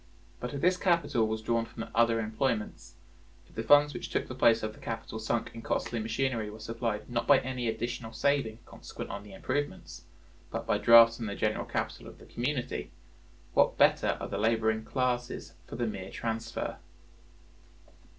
But if this capital was drawn from other employments, if the funds which took the place of the capital sunk in costly machinery were supplied not by any additional saving consequent on the improvements, but by drafts on the general capital of the community, what better are the laboring classes for the mere transfer?